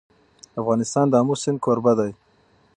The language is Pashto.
افغانستان د آمو سیند کوربه دی.